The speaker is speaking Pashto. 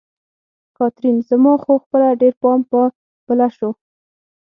کاترین: زما خو خپله ډېر پام په بله شو.